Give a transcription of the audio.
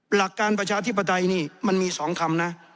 หลักการประชาธิปไตยนี่มันมี๒คำนะ